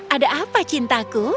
ada apa cintaku